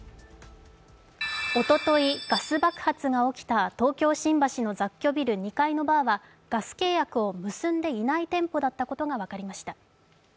おととい、ガス爆発が起きた東京・新橋の雑居ビル２階のバーはガス契約を結んでいない店舗だったことが分かりました。